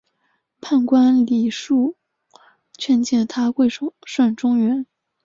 判官李恕劝谏他归顺中原。